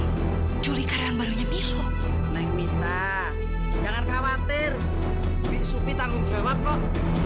hai juli keren barunya milo neng mita jangan khawatir supi tanggung jawab kok